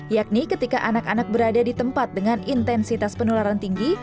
yakni ketika anak anak berada di tempat dengan intensitas penularan tinggi